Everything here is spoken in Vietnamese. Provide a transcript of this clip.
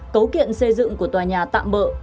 cấu kiện xây dựng của tòa nhà tạm bỡ